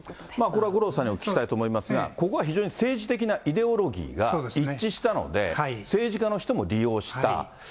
これは五郎さんにお聞きしたいと思いますが、ここは非常に政治的なイデオロギーが一致したので、政治家の人も利用した。